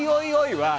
は